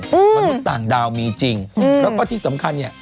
มนุษย์ต่างดาวมีจริงแล้วก็ที่สำคัญเนี่ย